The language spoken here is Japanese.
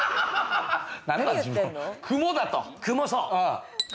雲だと。